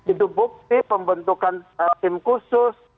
itu bukti pembentukan tim khusus